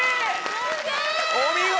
お見事！